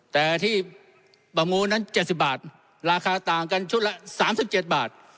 แต่ที่ประมูลนั้น๗๐บาทราคาต่างกันชุดละ๓๗บาท